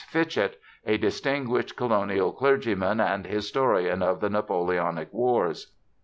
Fitchett, a distinguished colonial clergyman and historian of the Napoleonic wars.